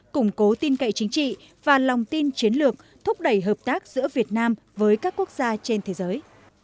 củng cố tin cậy chính trị và lòng tin chiến lược thúc đẩy hợp tác giữa việt nam với các quốc gia trên thế giới